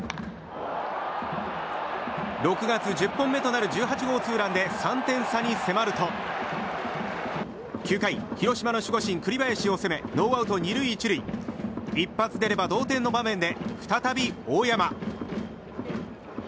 ６月１０本目となる１８号ホームランで３点差に迫ると９回広島の守護神、栗林を攻めノーアウト２塁１塁一発出れば同点の場面で再び、大山。